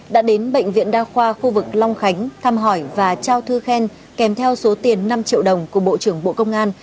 đã đến bệnh viện đa khoa khu vực long khánh thăm hỏi và trao thư khen kèm theo số tiền năm triệu đồng của bộ trưởng bộ công an